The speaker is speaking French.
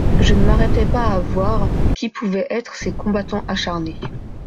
Je ne m'arrêtai pas à voir qui pouvaient être ces combattants acharnés.